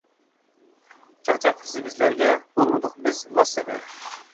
چاقچاق قىپسىز بىزلەرگە، بولمىدۇق بىز لاسسىدە.